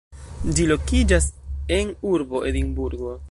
Ĝi lokiĝas en urbo Edinburgo.